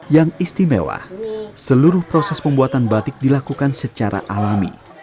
yang istimewa seluruh proses pembuatan batik dilakukan secara alami